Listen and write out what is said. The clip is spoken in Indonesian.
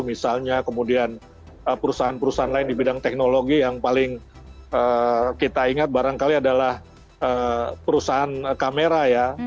misalnya kemudian perusahaan perusahaan lain di bidang teknologi yang paling kita ingat barangkali adalah perusahaan kamera ya